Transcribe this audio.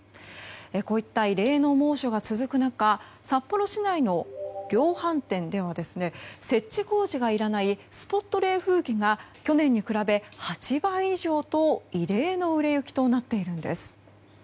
こういった異例の猛暑が続く中札幌市の量販店では設置工事がいらないスポット冷風機が去年に比べ８倍以上と異例の売れ行きとなっているんです。